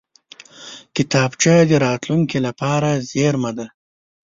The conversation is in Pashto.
کتابچه د راتلونکې لپاره زېرمه ده